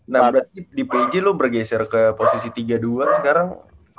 nah berarti di pj lo bergeser ke posisi tiga dua sekarang